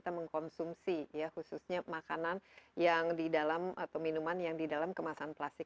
kita mengkonsumsi khususnya makanan yang di dalam atau minuman yang di dalam kemasan plastik